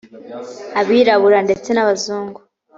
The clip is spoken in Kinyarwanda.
abirabura ndetse n abazungu